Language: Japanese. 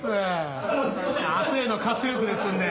明日への活力ですんで。